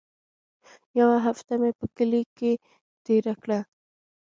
يوه هفته مې په کلي کښې تېره کړه.